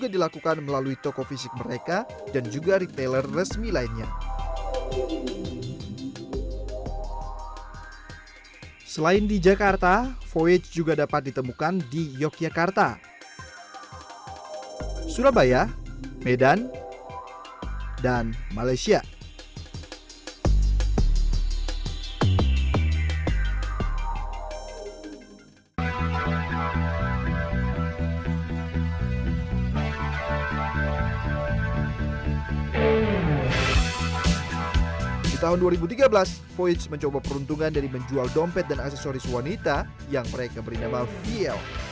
dalam dua ribu tiga belas voyage mencoba peruntungan dari menjual dompet dan aksesoris wanita yang mereka beri nama vl